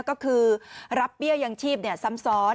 ก็คือรับเบี้ยยังชีพซ้ำซ้อน